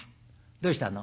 「どうしたの？」。